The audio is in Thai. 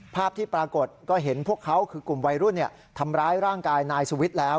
ภาพที่ปรากฏก็เห็นพวกเขาคือกลุ่มวัยรุ่นทำร้ายร่างกายนายสุวิทย์แล้ว